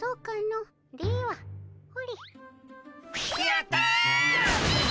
やった！